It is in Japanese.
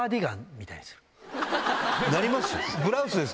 なります？